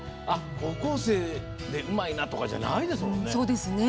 高校生でうまいなとかじゃないですもんね。